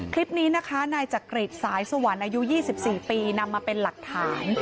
คลิปนี้นะคะนายจักริตสายสวรรค์อายุ๒๔ปีนำมาเป็นหลักฐาน